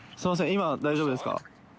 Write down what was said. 今大丈夫ですか？